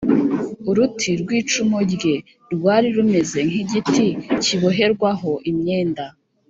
Uruti rw’icumu rye rwari rumeze nk’igiti kiboherwaho imyenda